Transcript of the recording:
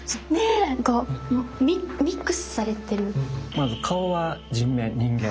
まず顔は人面人間。